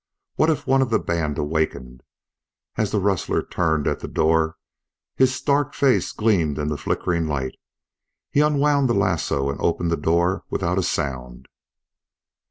What if one of the band awakened! As the rustler turned at the door his dark face gleamed in the flickering light. He unwound the lasso and opened the door without a sound.